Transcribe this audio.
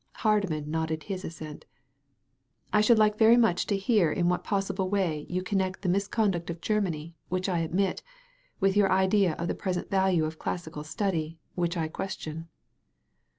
Hardman nodded his assent. '*I should like very much to hear in what possible way you con* nect the misconduct of Grermany, which I admit, with your idea of the present value of classical study» which I question."